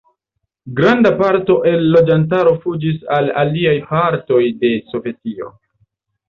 Granda parto el loĝantaro fuĝis al aliaj partoj de Sovetio.